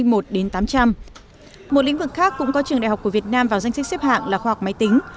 một lĩnh vực khác cũng có trường đại học của việt nam vào danh sách xếp hạng là khoa học máy tính